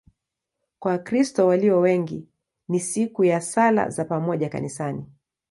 Kwa Wakristo walio wengi ni siku ya sala za pamoja kanisani.